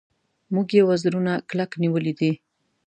موږ یې وزرونه کلک نیولي دي.